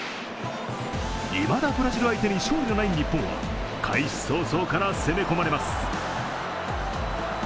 いまだブラジル相手に勝利のない日本は開始早々から攻め込まれます。